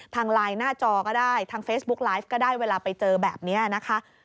ทางไลน์หน้าจอก็ได้ทางเฟซบุ๊กไลฟ์ก็ได้เวลาไปเจอแบบนี้นะคะ